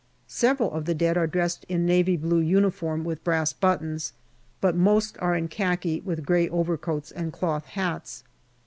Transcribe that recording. Several of the dead are dressed in a navy blue uniform with brass buttons, but most are in khaki with grey overcoats and cloth hats.